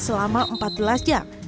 selama empat belas jam